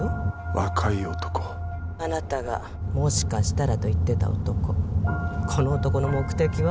若い男☎あなたがもしかしたらと言ってた男この男の目的は？